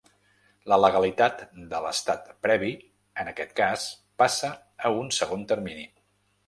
La legalitat de l’estat previ, en aquest cas, passa a un segon termini.